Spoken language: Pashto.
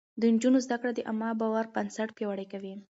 د نجونو زده کړه د عامه باور بنسټ پياوړی کوي.